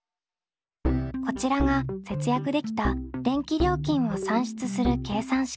こちらが節約できた電気料金を算出する計算式。